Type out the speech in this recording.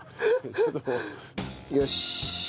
よし。